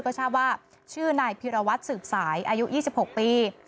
ก็ทราบว่าชื่อนายพิรวัตรสืบสายอายุ๒๖ปี